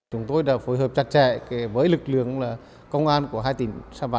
chúng tôi đã phối hợp chặt chẽ với lực lượng công an của hai tỉnh sapa